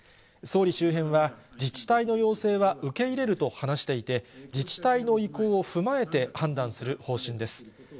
総理周辺は、自治体の要請は、受け入れると話していて、自治体の意向を踏まえて、判断する方針です。